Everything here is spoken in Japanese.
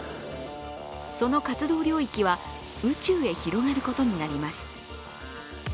その活動領域は宇宙へ広がることになります。